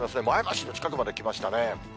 前橋の近くまで来ましたね。